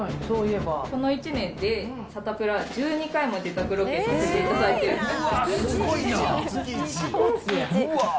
この１年でサタプラ、１２回も自宅ロケさせていただいてるんです。